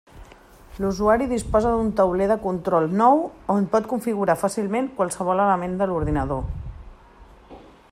L'usuari disposa d'un tauler de control nou on pot configurar fàcilment qualsevol element de l'ordinador.